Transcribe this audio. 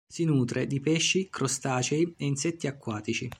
Si nutre di pesci, crostacei e insetti acquatici.